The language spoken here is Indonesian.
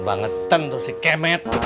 kebangetan tuh si kemet